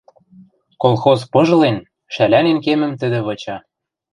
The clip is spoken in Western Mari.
Колхоз пыжлен, шӓлӓнен кемӹм тӹдӹ выча.